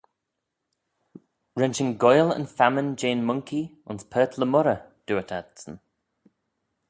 Ren shin goaill yn famman jeh'n Monkey ayns Purt le Moirrey, dooyrt adsyn.